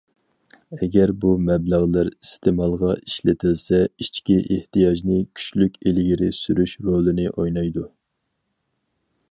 ئەگەر بۇ مەبلەغلەر ئىستېمالغا ئىشلىتىلسە ئىچكى ئېھتىياجنى كۈچلۈك ئىلگىرى سۈرۈش رولىنى ئوينايدۇ.